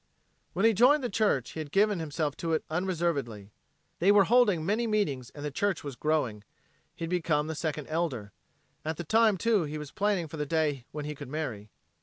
When he joined the church he had given himself to it unreservedly. They were holding many meetings and the church was growing. He had become the Second Elder. At the time, too, he was planning for the day when he could marry.